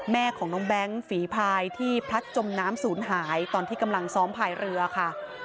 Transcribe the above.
แม่ของน้องแบงค์ฝีพายที่พลัดจมน้ำศูนย์หายตอนที่กำลังซ้อมพายเรือค่ะ